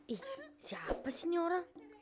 ih siapa sih orang